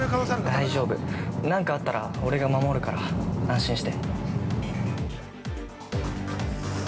大丈夫、何かあったら俺が守るから安心して。